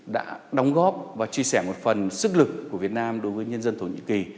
đã đóng góp và chia sẻ một phần sức lực của việt nam đối với nhân dân thổ nhĩ kỳ